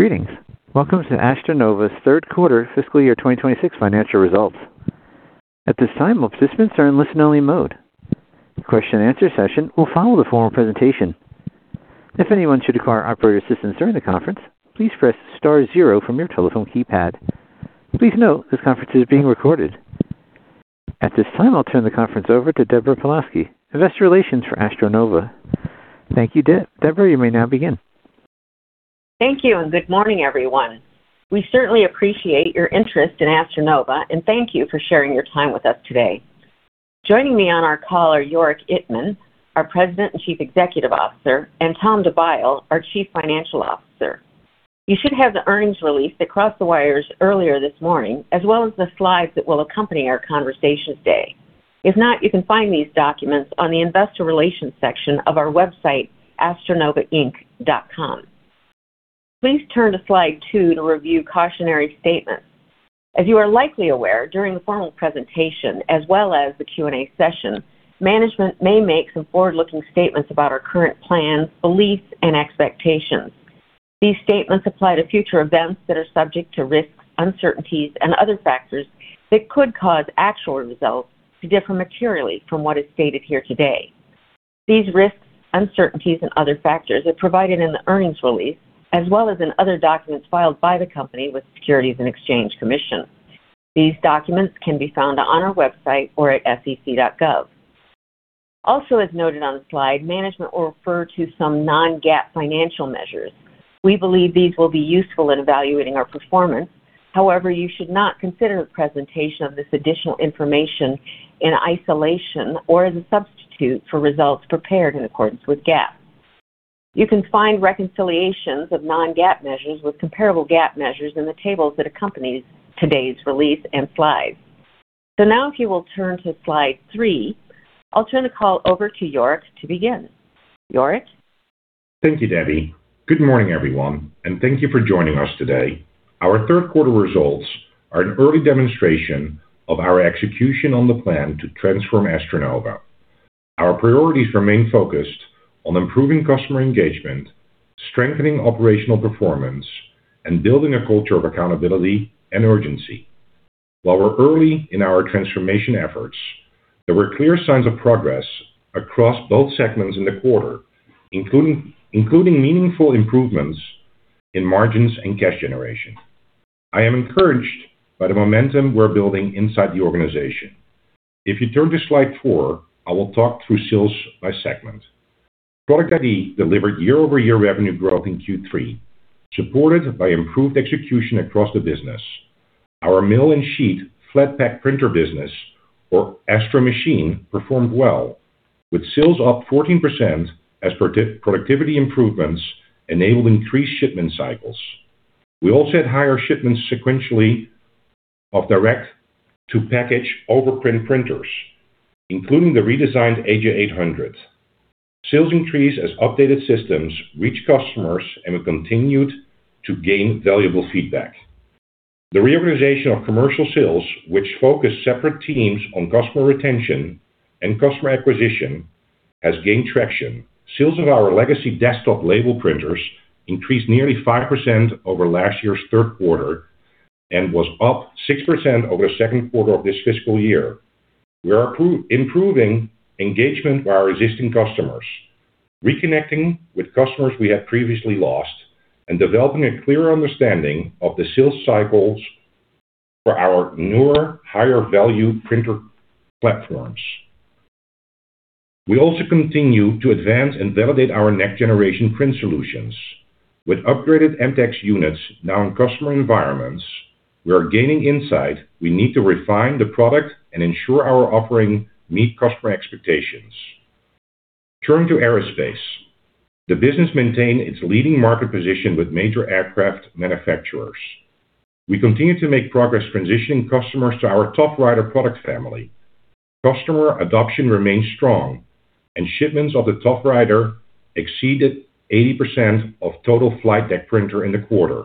Greetings. Welcome to AstroNova's third quarter fiscal year 2026 financial results. At this time, all participants are in listen-only mode. The question-and-answer session will follow the formal presentation. If anyone should require operator assistance during the conference, please press Star 0 from your telephone keypad. Please note this conference is being recorded. At this time, I'll turn the conference over to Deborah Pawlowski, Investor Relations for AstroNova. Thank you, Deborah. You may now begin. Thank you and good morning, everyone. We certainly appreciate your interest in AstroNova, and thank you for sharing your time with us today. Joining me on our call are Jorik Ittmann, our President and Chief Executive Officer, and Tom DeByle, our Chief Financial Officer. You should have the earnings release that crossed the wires earlier this morning, as well as the slides that will accompany our conversation today. If not, you can find these documents on the Investor Relations section of our website, astronovainc.com. Please turn to slide two to review cautionary statements. As you are likely aware, during the formal presentation, as well as the Q&A session, management may make some forward-looking statements about our current plans, beliefs, and expectations. These statements apply to future events that are subject to risks, uncertainties, and other factors that could cause actual results to differ materially from what is stated here today. These risks, uncertainties, and other factors are provided in the earnings release, as well as in other documents filed by the company with the Securities and Exchange Commission. These documents can be found on our website or at sec.gov. Also, as noted on the slide, management will refer to some non-GAAP financial measures. We believe these will be useful in evaluating our performance. However, you should not consider the presentation of this additional information in isolation or as a substitute for results prepared in accordance with GAAP. You can find reconciliations of non-GAAP measures with comparable GAAP measures in the tables that accompany today's release and slides. So now, if you will turn to slide three, I'll turn the call over to Jorik to begin. Jorik? Thank you, Debbie. Good morning, everyone, and thank you for joining us today. Our third quarter results are an early demonstration of our execution on the plan to transform AstroNova. Our priorities remain focused on improving customer engagement, strengthening operational performance, and building a culture of accountability and urgency. While we're early in our transformation efforts, there were clear signs of progress across both segments in the quarter, including meaningful improvements in margins and cash generation. I am encouraged by the momentum we're building inside the organization. If you turn to slide four, I will talk through sales by segment. Product ID delivered year-over-year revenue growth in Q3, supported by improved execution across the business. Our mail and flat-path printer business, or Astro Machine, performed well, with sales up 14% as productivity improvements enabled increased shipment cycles. We also had higher shipments sequentially of direct-to-package overprint printers, including the redesigned AJ-800. Sales increased as updated systems reached customers and continued to gain valuable feedback. The reorganization of commercial sales, which focused separate teams on customer retention and customer acquisition, has gained traction. Sales of our legacy desktop label printers increased nearly 5% over last year's third quarter and was up 6% over the second quarter of this fiscal year. We are improving engagement with our existing customers, reconnecting with customers we had previously lost, and developing a clearer understanding of the sales cycles for our newer, higher-value printer platforms. We also continue to advance and validate our next-generation print solutions. With upgraded MTEX units now in customer environments, we are gaining insight we need to refine the product and ensure our offering meets customer expectations. Turning to Aerospace, the business maintains its leading market position with major aircraft manufacturers. We continue to make progress transitioning customers to our ToughWriter product family. Customer adoption remains strong, and shipments of the ToughWriter exceeded 80% of total flight deck printer in the quarter.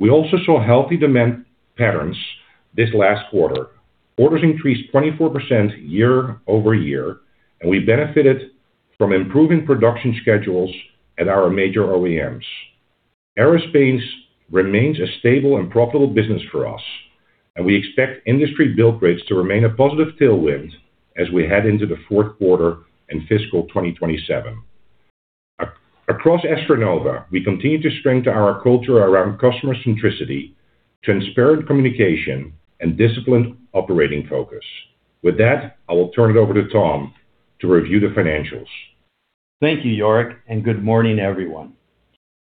We also saw healthy demand patterns this last quarter. Orders increased 24% year over year, and we benefited from improving production schedules at our major OEMs. Aerospace remains a stable and profitable business for us, and we expect industry build rates to remain a positive tailwind as we head into the fourth quarter and fiscal 2027. Across AstroNova, we continue to strengthen our culture around customer centricity, transparent communication, and disciplined operating focus. With that, I will turn it over to Tom to review the financials. Thank you, Jorik, and good morning, everyone.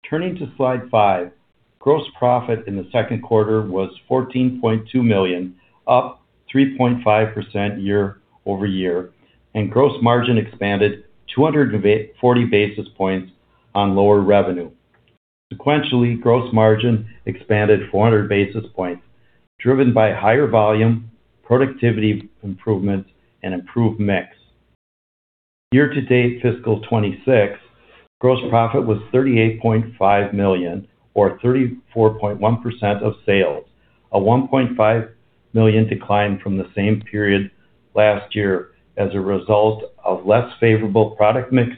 Turning to slide five, gross profit in the second quarter was $14.2 million, up 3.5% year-over-year, and gross margin expanded 240 basis points on lower revenue. Sequentially, gross margin expanded 400 basis points, driven by higher volume, productivity improvements, and improved mix. Year-to-date fiscal 2026, gross profit was $38.5 million, or 34.1% of sales, a $1.5 million decline from the same period last year as a result of less favorable product mix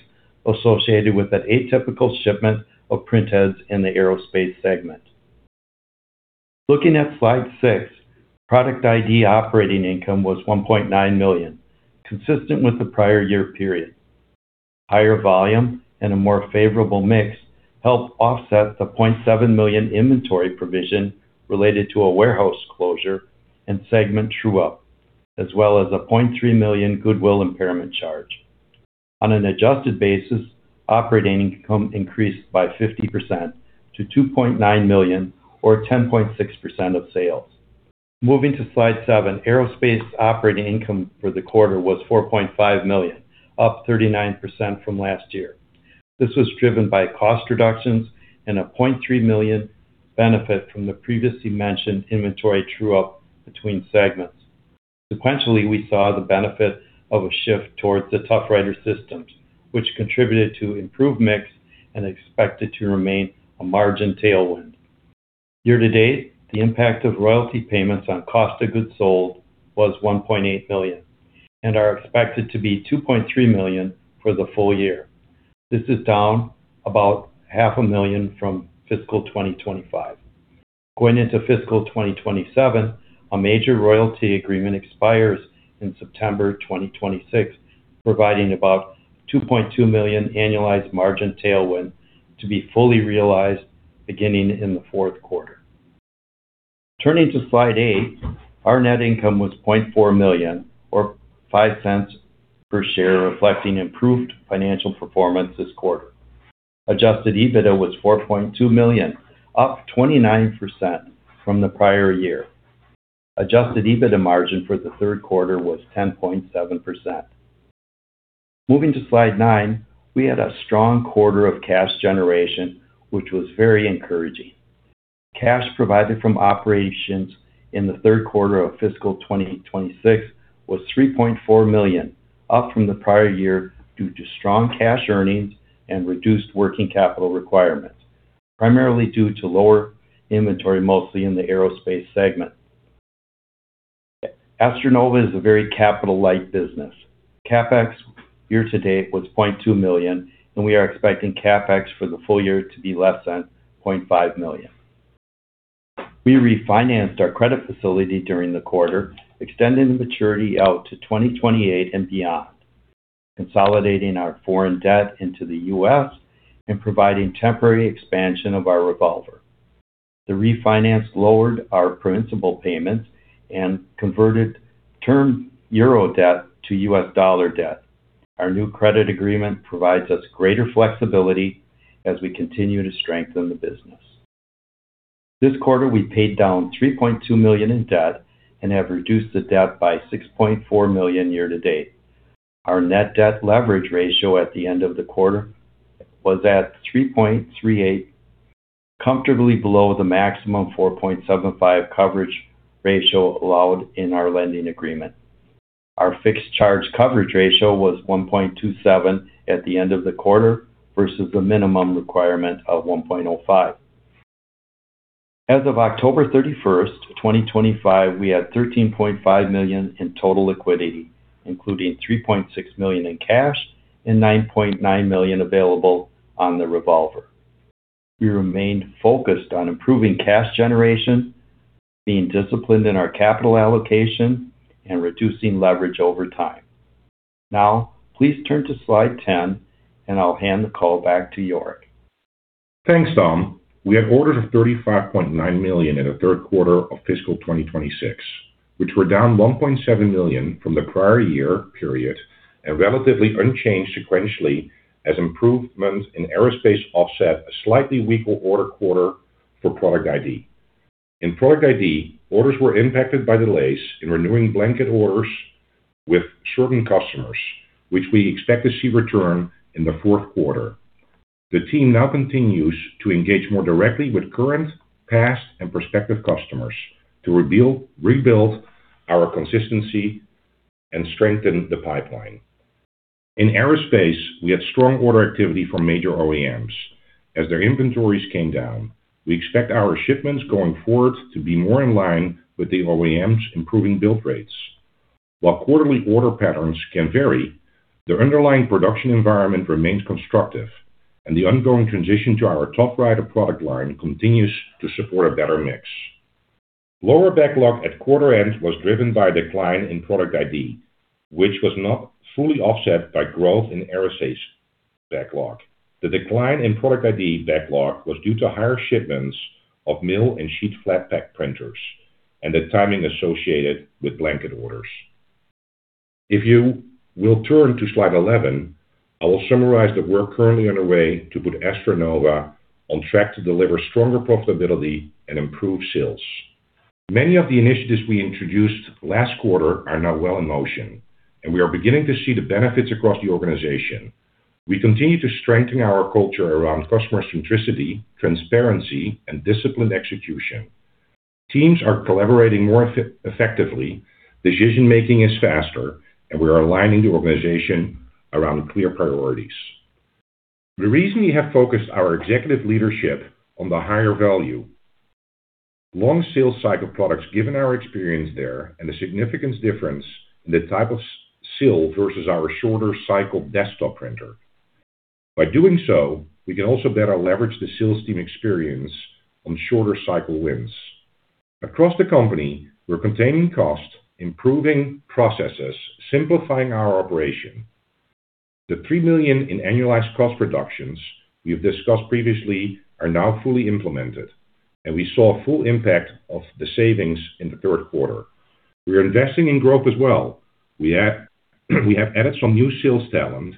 associated with an atypical shipment of printheads in the Aerospace segment. Looking at slide six, Product ID operating income was $1.9 million, consistent with the prior year period. Higher volume and a more favorable mix helped offset the $0.7 million inventory provision related to a warehouse closure and segment true-up, as well as a $0.3 million goodwill impairment charge. On an adjusted basis, operating income increased by 50%-$2.9 million, or 10.6% of sales. Moving to slide seven, Aerospace operating income for the quarter was $4.5 million, up 39% from last year. This was driven by cost reductions and a $0.3 million benefit from the previously mentioned inventory true-up between segments. Sequentially, we saw the benefit of a shift towards the ToughWriter systems, which contributed to improved mix and expected to remain a margin tailwind. Year-to-date, the impact of royalty payments on cost of goods sold was $1.8 million, and are expected to be $2.3 million for the full year. This is down about $500,000 from fiscal 2025. Going into fiscal 2027, a major royalty agreement expires in September 2026, providing about $2.2 million annualized margin tailwind to be fully realized beginning in the fourth quarter. Turning to slide eight, our net income was $0.4 million, or $0.05 per share, reflecting improved financial performance this quarter. Adjusted EBITDA was $4.2 million, up 29% from the prior year. Adjusted EBITDA margin for the third quarter was 10.7%. Moving to slide nine, we had a strong quarter of cash generation, which was very encouraging. Cash provided from operations in the third quarter of fiscal 2026 was $3.4 million, up from the prior year due to strong cash earnings and reduced working capital requirements, primarily due to lower inventory mostly in the Aerospace segment. AstroNova is a very capital-light business. CapEx year-to-date was $0.2 million, and we are expecting CapEx for the full year to be less than $0.5 million. We refinanced our credit facility during the quarter, extending the maturity out to 2028 and beyond, consolidating our foreign debt into the U.S. and providing temporary expansion of our revolver. The refinance lowered our principal payments and converted term euro debt to U.S. dollar debt. Our new credit agreement provides us greater flexibility as we continue to strengthen the business. This quarter, we paid down $3.2 million in debt and have reduced the debt by $6.4 million year-to-date. Our net debt leverage ratio at the end of the quarter was at 3.38, comfortably below the maximum 4.75 coverage ratio allowed in our lending agreement. Our fixed charge coverage ratio was 1.27 at the end of the quarter versus the minimum requirement of 1.05. As of October 31st, 2025, we had $13.5 million in total liquidity, including $3.6 million in cash and $9.9 million available on the revolver. We remained focused on improving cash generation, being disciplined in our capital allocation, and reducing leverage over time. Now, please turn to slide 10, and I'll hand the call back to Jorik. Thanks, Tom. We had orders of $35.9 million in the third quarter of fiscal 2026, which were down $1.7 million from the prior year period and relatively unchanged sequentially as improvements in Aerospace offset a slightly weaker order quarter for Product ID. In Product ID, orders were impacted by delays in renewing blanket orders with certain customers, which we expect to see return in the fourth quarter. The team now continues to engage more directly with current, past, and prospective customers to rebuild our consistency and strengthen the pipeline. In Aerospace, we had strong order activity from major OEMs. As their inventories came down, we expect our shipments going forward to be more in line with the OEMs' improving build rates. While quarterly order patterns can vary, the underlying production environment remains constructive, and the ongoing transition to our ToughWriter product line continues to support a better mix. Lower backlog at quarter end was driven by a decline in Product ID, which was not fully offset by growth in Aerospace backlog. The decline in Product ID backlog was due to higher shipments of mail and flat-path printers and the timing associated with blanket orders. If you will turn to slide 11, I will summarize the work currently underway to put AstroNova on track to deliver stronger profitability and improved sales. Many of the initiatives we introduced last quarter are now well in motion, and we are beginning to see the benefits across the organization. We continue to strengthen our culture around customer centricity, transparency, and disciplined execution. Teams are collaborating more effectively, decision-making is faster, and we are aligning the organization around clear priorities. The reason we have focused our executive leadership on the higher value long sales cycle products given our experience there and the significant difference in the type of sale versus our shorter cycle desktop printer. By doing so, we can also better leverage the sales team experience on shorter cycle wins. Across the company, we're containing cost, improving processes, simplifying our operation. The three million in annualized cost reductions we've discussed previously are now fully implemented, and we saw full impact of the savings in the third quarter. We are investing in growth as well. We have added some new sales talent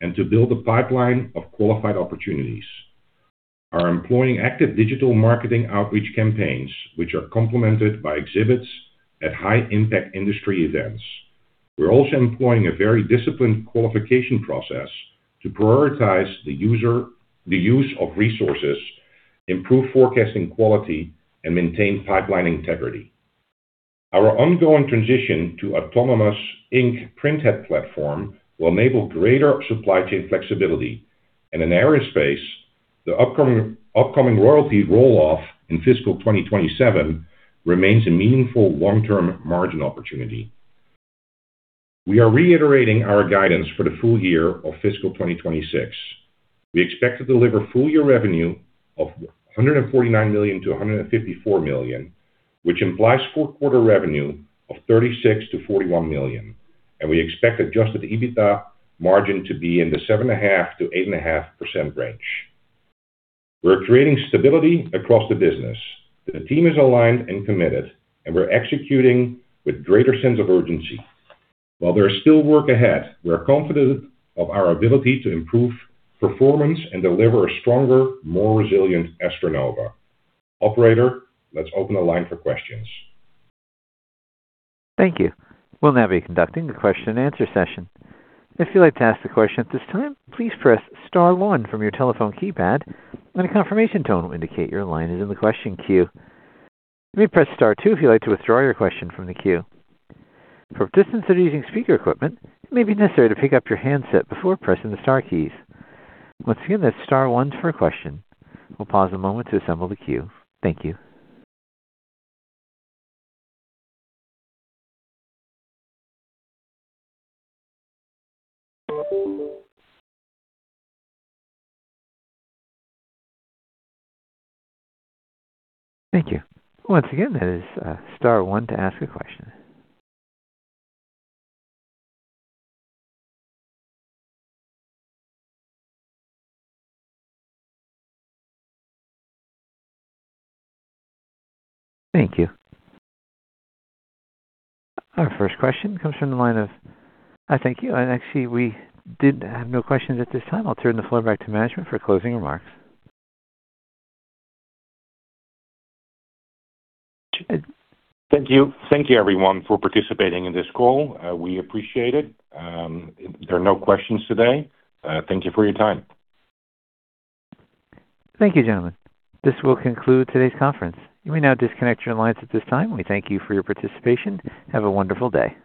and to build a pipeline of qualified opportunities. We're employing active digital marketing outreach campaigns, which are complemented by exhibits at high-impact industry events. We're also employing a very disciplined qualification process to prioritize the use of resources, improve forecasting quality, and maintain pipeline integrity. Our ongoing transition to aqueous ink printhead platform will enable greater supply chain flexibility. And in Aerospace, the upcoming royalty roll-off in fiscal 2027 remains a meaningful long-term margin opportunity. We are reiterating our guidance for the full year of fiscal 2026. We expect to deliver full year revenue of $149 million-$154 million, which implies four-quarter revenue of $36 million-$41 million. And we expect Adjusted EBITDA margin to be in the 7.5%-8.5% range. We're creating stability across the business. The team is aligned and committed, and we're executing with greater sense of urgency. While there is still work ahead, we're confident of our ability to improve performance and deliver a stronger, more resilient AstroNova. Operator, let's open a line for questions. Thank you. We'll now be conducting a question-and-answer session. If you'd like to ask a question at this time, please press Star 1 from your telephone keypad, and a confirmation tone will indicate your line is in the question queue. You may press Star 2 if you'd like to withdraw your question from the queue. For participants that are using speaker equipment, it may be necessary to pick up your handset before pressing the Star keys. Once again, that's Star 1 for a question. We'll pause a moment to assemble the queue. Thank you. Thank you. Once again, that is Star 1 to ask a question. Thank you. Our first question comes from the line of. Thank you. And actually, we did have no questions at this time. I'll turn the floor back to management for closing remarks. Thank you. Thank you, everyone, for participating in this call. We appreciate it. There are no questions today. Thank you for your time. Thank you, gentlemen. This will conclude today's conference. You may now disconnect your lines at this time. We thank you for your participation. Have a wonderful day.